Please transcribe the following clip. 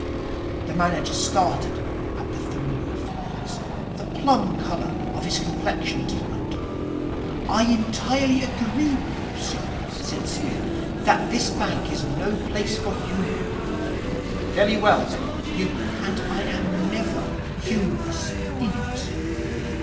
The manager started at the familiar phrase. The plum colour of his complexion deepened. 'I entirely agree with you, sir,' said Psmith, 'that this bank is no place for humour.' 'Very well, then. You ' 'And I am never humorous in it.